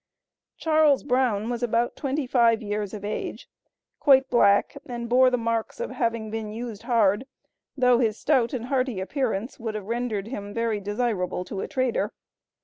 Charles Brown was about twenty five years of age, quite black, and bore the marks of having been used hard, though his stout and hearty appearance would have rendered him very desirable to a trader.